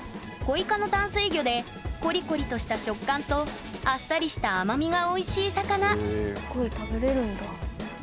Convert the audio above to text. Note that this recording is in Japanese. コイ科の淡水魚でコリコリとした食感とあっさりした甘みがおいしい魚コイ食べれるんだ。